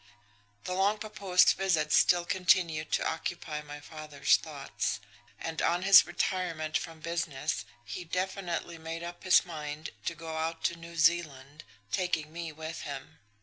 The long proposed visit still continued to occupy my father's thoughts, and on his retirement from business he definitely made up his mind to go out to New Zealand, taking me with him.